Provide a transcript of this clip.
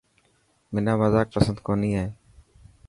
منا مزاڪ پسند ڪونه هي.